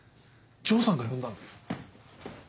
丈さんが呼んだの？